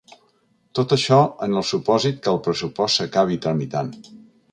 Tot això en el supòsit que el pressupost s’acabi tramitant.